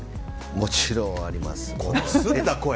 もちろん、あります。